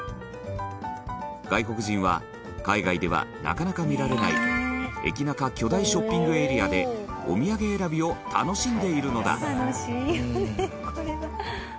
外国人は海外では、なかなか見られないエキナカ巨大ショッピングエリアでお土産選びを楽しんでいるのだ羽田：楽しいよね、これは。